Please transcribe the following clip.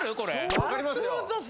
分かりますよ。